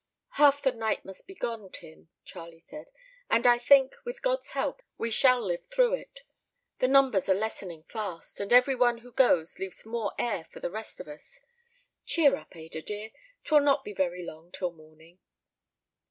"Half the night must be gone, Tim," Charlie said, "and I think, with God's help, we shall live through it. The numbers are lessening fast, and every one who goes leaves more air for the rest of us. Cheer up, Ada dear, 'twill not be very long till morning."